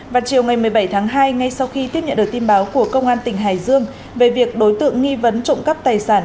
vào chiều ngày một mươi bảy tháng hai ngay sau khi tiếp nhận được tin báo của công an tỉnh hải dương về việc đối tượng nghi vấn trộm cắp tài sản